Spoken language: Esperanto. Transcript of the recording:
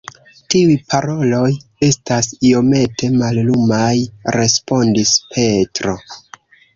Tiuj paroloj estas iomete mallumaj, respondis Petro.